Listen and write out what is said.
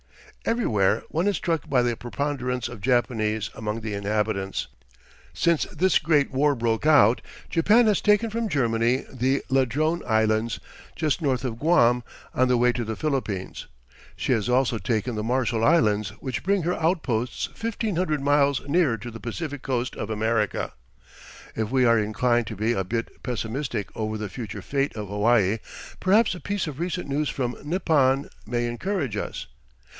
Everywhere one is struck by the preponderance of Japanese among the inhabitants. Since this great war broke out, Japan has taken from Germany the Ladrone Islands, just north of Guam, on the way to the Philippines. She has also taken the Marshall Islands, which bring her outposts fifteen hundred miles nearer to the Pacific coast of America. If we are inclined to be a bit pessimistic over the future fate of Hawaii, perhaps a piece of recent news from Nippon may encourage us.